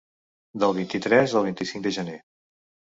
Del vint-i-tres al vint-i-cinc de gener.